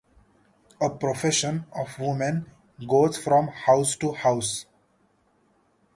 A procession of women goes from house to house.